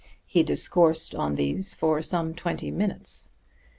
He discoursed on these for some twenty minutes.